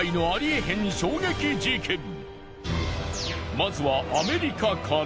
まずはアメリカから。